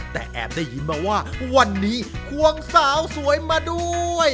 แต่แอบได้ยินมาว่าวันนี้ควงสาวสวยมาด้วย